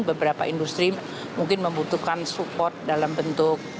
beberapa industri mungkin membutuhkan support dalam bentuk